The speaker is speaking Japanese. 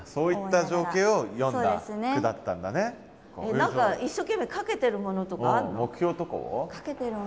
何か一生懸命かけてるものとかあるの？